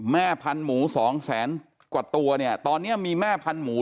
แม่พันธุ์หมู๒แสนกว่าตัวตอนนี้มีแม่พันธุ์หมู